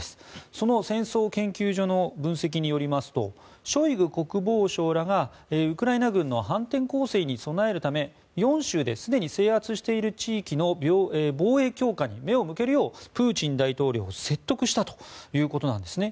その戦争研究所の分析によりますとショイグ国防相らがウクライナ軍の反転攻勢に備えるため４州ですでに制圧している地域の防衛強化に目を向けるようプーチン大統領を説得したということなんですね。